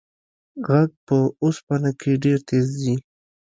غږ په اوسپنه کې ډېر تېز ځي.